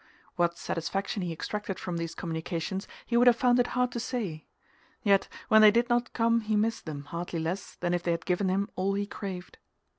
What satisfaction he extracted from these communications he would have found it hard to say; yet when they did not come he missed them hardly less than if they had given him all he craved.